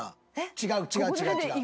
違う違う違う。